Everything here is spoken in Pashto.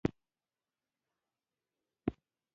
کابل د افغانستان د اقتصاد یوه خورا مهمه برخه ده.